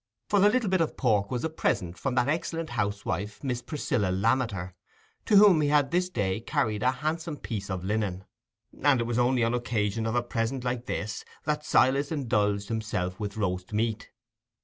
For the little bit of pork was a present from that excellent housewife, Miss Priscilla Lammeter, to whom he had this day carried home a handsome piece of linen; and it was only on occasion of a present like this, that Silas indulged himself with roast meat.